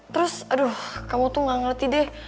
terus aduh kamu tuh gak ngerti deh